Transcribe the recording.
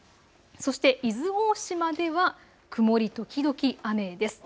そして伊豆大島では曇り時々雨です。